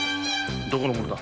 どこの者だ。